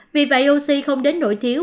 vì vậy oxy không đến nổi thiếu